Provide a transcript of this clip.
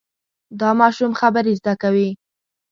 دا ماشوم خبرې زده کوي.